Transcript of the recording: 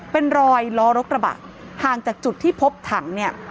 เป็นรอยล้อรถกระบะห่างจากจุดที่พบถังเนี่ย